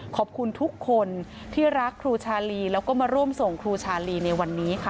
ขอบคุณทุกคนที่รักครูชาลีแล้วก็มาร่วมส่งครูชาลีในวันนี้ค่ะ